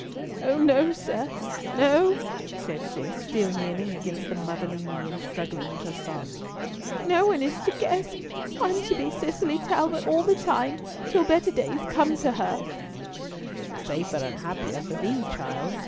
"Oh no, sir, no," said Cis, still kneeling against the motherly knee and struggling with her sobs. "No one is to guess. I am to be Cicely Talbot all the same, till better days come to her." "The safer and the happier for thee, child.